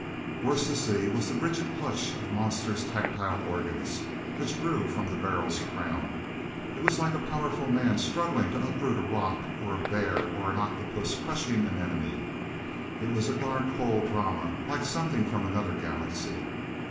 Worst to see was the rigid clutch of monster's tactile organs, which grew from the barrel's crown. It was like a powerful man struggling to uproot a rock, or a bear or an octopus crushing an enemy. It was dark hole drama, like something from another galaxy.